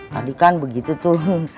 tadi kan begitu tuh